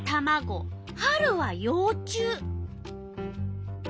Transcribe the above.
春はよう虫。